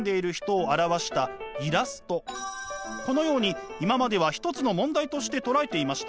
このように今までは一つの問題としてとらえていました。